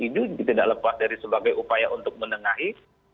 itu tidak lepas dari sebagai upaya untuk menengahi